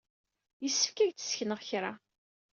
Yessefk ad ak-d-ssekneɣ kra.